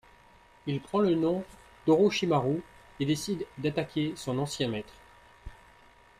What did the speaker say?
Il prend le nom d’Orochimaru et décide d’attaquer son ancien maître.